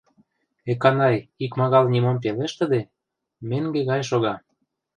Эканай, икмагал нимом пелештыде, меҥге гай шога.